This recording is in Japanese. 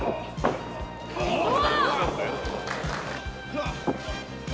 「うわっ！」